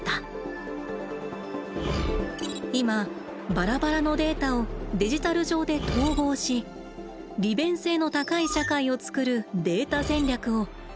今バラバラのデータをデジタル上で統合し利便性の高い社会を作る「データ戦略」を各国が推し進めています。